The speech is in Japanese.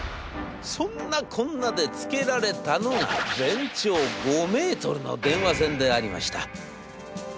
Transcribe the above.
そんなこんなで付けられたのが全長５ｍの電話線でありました。